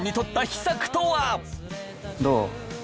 どう？